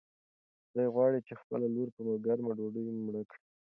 دی غواړي چې خپله لور په ګرمه ډوډۍ مړه کړي.